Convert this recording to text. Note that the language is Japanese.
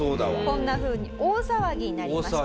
こんなふうに大騒ぎになりました。